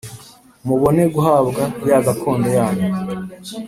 Mubone guhabwa ya gakondo yanyu